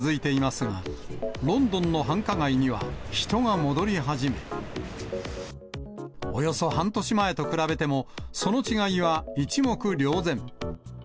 １日の感染者数が３万人を超える日が続いていますが、ロンドンの繁華街には人が戻り始め、およそ半年前と比べても、その違いは一目瞭然。